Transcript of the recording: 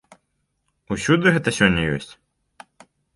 Усюды гэта сёння ёсць?